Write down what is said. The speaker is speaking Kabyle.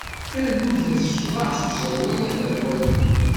Rnut-as ccḍeḥ s userwal aberwali!